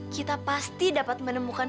kita pasti dapat menemukan